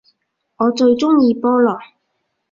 我最鍾意菠蘿